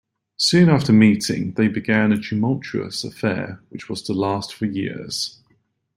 Soon after meeting, they began a tumultuous affair which was to last for years.